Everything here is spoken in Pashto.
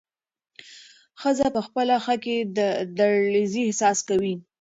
ښځه په خپله پښه کې د لړزې احساس کوي.